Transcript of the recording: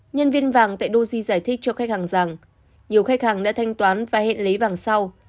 nhân viên vàng tại doji giải thích cho khách hàng rằng nhiều khách hàng đã thanh toán và hẹn lấy vàng sau